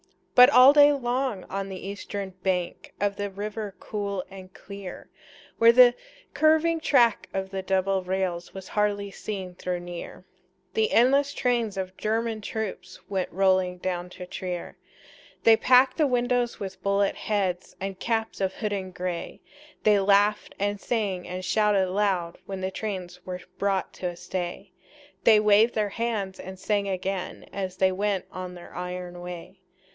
But all day long on the eastern bank Of the river cool and clear, Where the curving track of the double rails Was hardly seen though near, The endless trains of German troops Went rolling down to Trier. They packed the windows with bullet heads And caps of hodden gray; They laughed and sang and shouted loud When the trains were brought to a stay; They waved their hands and sang again As they went on their iron way.